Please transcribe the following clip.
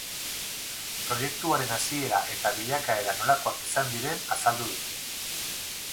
Proiektuaren hasiera eta bilakaera nolakoak izan diren azaldu dute.